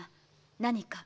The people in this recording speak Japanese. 何か？